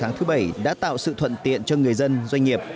vào sáng thứ bảy đã tạo sự thuận tiện cho người dân doanh nghiệp